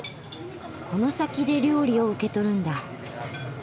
この先で料理を受け取るんだ。